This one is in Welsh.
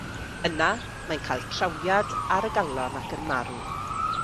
Yna mae'n cael trawiad ar y galon ac yn marw.